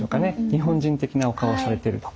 日本人的なお顔をされていると。